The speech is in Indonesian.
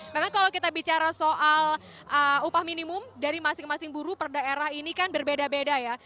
memang kalau kita bicara soal upah minimum dari masing masing buruh per daerah ini kan berbeda beda ya